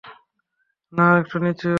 না, আরেকটু নিচু।